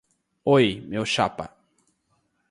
Oi, meu chapa